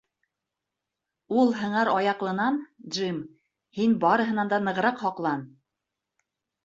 Ул һыңар аяҡлынан, Джим, һин барыһынан да нығыраҡ һаҡлан.